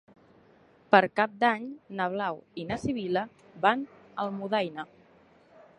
Per Cap d'Any na Blau i na Sibil·la van a Almudaina.